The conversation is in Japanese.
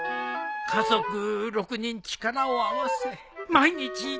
家族６人力を合わせ毎日つつましく。